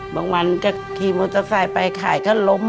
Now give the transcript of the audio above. วันจะขี่มอเตอร์ไซค์ไปขายก็ล้ม